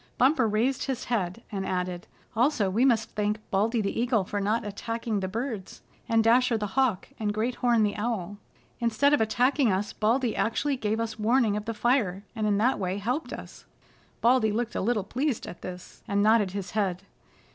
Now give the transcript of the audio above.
Bumper raised his head, and added: "Also we must thank Baldy the Eagle for not attacking the birds, and Dasher the Hawk and Great Horn the Owl. Instead of attacking us Baldy actually gave us warning of the fire, and in that way helped us." Baldy looked a little pleased at this, and nodded his head.